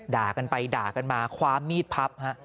ด่ากันไปด่ากันมาคว้ามีดพับฮะ